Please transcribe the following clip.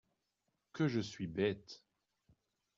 Que je suis bête !…